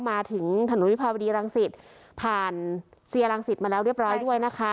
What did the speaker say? มาถึงถนนวิภาวดีรังสิตผ่านเสียรังสิตมาแล้วเรียบร้อยด้วยนะคะ